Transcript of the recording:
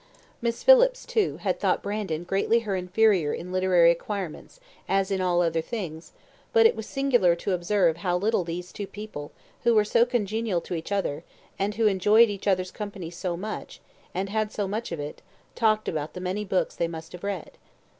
Miss Phillips, too, had thought Brandon greatly her inferior in literary acquirements, as in all other things; but it was singular to observe how little these two people, who were so congenial to each other, and who enjoyed each other's company so much, and had so much of it, talked about the many books they must have read.